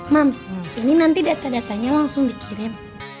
mams ini nanti data datanya langsung dikirim